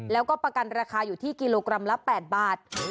แล้วก็ประกันราคาอยู่ที่กิโลกรัมละ๘บาท